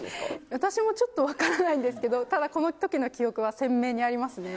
私もちょっと分からないんですけど、ただ、このときの記憶は鮮明にありますね。